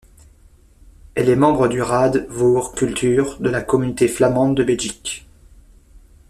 Elle est membre du Raad voor Cultuur de la Communauté flamande de Belgique.